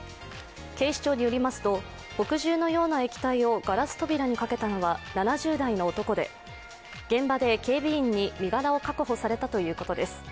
警視庁によりますと、墨汁のような液体をガラス扉にかけたのは７０代の男で、現場で警備員に身柄を確保されたということです。